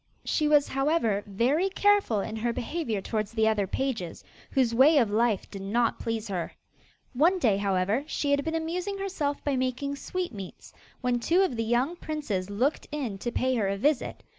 She was, however, very careful in her behaviour towards the other pages, whose way of life did not please her. One day, however, she had been amusing herself by making sweetmeats, when two of the young princes looked in to pay her a visit.